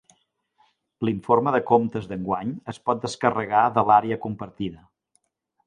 L'informe de comptes d'enguany es pot descarregar de l'àrea compartida.